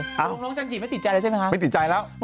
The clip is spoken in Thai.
น้องจันจี่ไม่ติดใจแล้วใช่ไหมคะวันทีน้องจันจี่ไม่ติดใจแล้ว